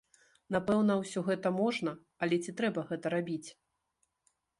Напэўна, усё гэта можна, але ці трэба гэта рабіць!?